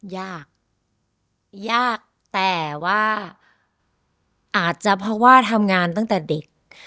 ยากยากแต่ว่าอาจจะเพราะว่าทำงานตั้งแต่เด็ก